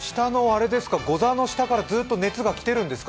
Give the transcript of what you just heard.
ござの下からずっと熱が来てるんですか？